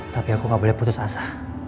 tapi aku gak boleh putus asa